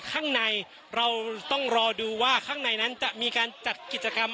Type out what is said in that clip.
ข้างในเราต้องรอดูว่าข้างในนั้นจะมีการจัดกิจกรรม